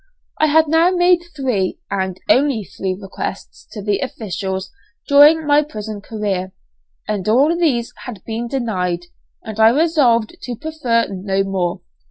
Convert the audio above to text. I had now made three, and only three requests to the officials during my prison career, and all these had been denied, and I resolved to prefer no more.